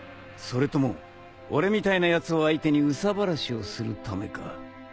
それとも俺みたいなやつを相手に憂さ晴らしをするためか？